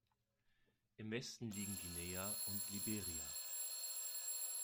Im Westen liegen Guinea und Liberia.